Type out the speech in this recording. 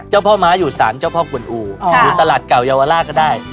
เจ้าพ่อม้าอยู่สารเจ้าพ่อกวนอูอยู่ตลาดเก่าเยาวราชก็ได้